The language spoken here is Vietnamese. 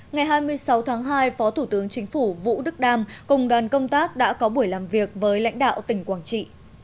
ngày hai mươi sáu tháng hai phó thủ tướng chính phủ vũ đức đam cùng đoàn công tác đã có buổi làm việc với lãnh đạo tỉnh quảng trị